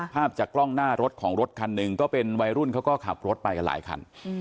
ภาพจากกล้องหน้ารถของรถคันหนึ่งก็เป็นวัยรุ่นเขาก็ขับรถไปกันหลายคัน